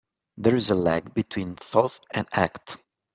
There is a lag between thought and act.